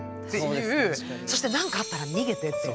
そして「何かあったら逃げて」って。